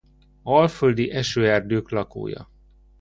Alföldi esőerdők lakója.